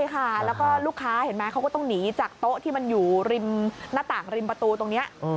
ใช่ค่ะแล้วก็ลูกค้าเห็นไหมเขาก็ต้องหนีจากโต๊ะที่มันอยู่ริมหน้าต่างริมประตูตรงนี้